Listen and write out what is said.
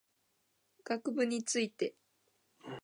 学部について